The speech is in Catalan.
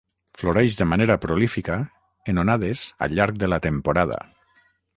Floreix de manera prolífica, en onades al llarg de la temporada.